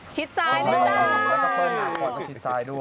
ชิดซ้ายทีแล้ว